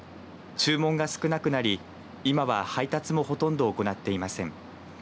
注文が少なくなり今は配達もほとんど行っていません。